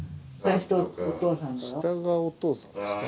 下がお父さんですか？